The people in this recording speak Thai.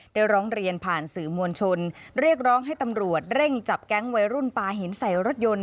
ร้องเรียนผ่านสื่อมวลชนเรียกร้องให้ตำรวจเร่งจับแก๊งวัยรุ่นปลาหินใส่รถยนต์